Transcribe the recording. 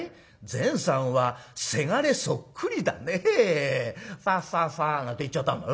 善さんはせがれそっくりだねえファファファ』なんて言っちゃったんだ。